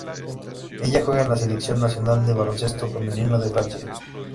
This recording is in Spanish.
Ella juega en la selección nacional de baloncesto femenino de Francia.